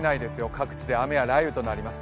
各地で雨や雷雨となります。